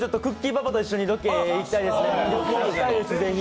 パパと一緒にロケ、行きたいですね、ぜひ。